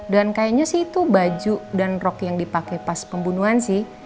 dan kayaknya sih itu baju dan rok yang dipake pas pembunuhan sih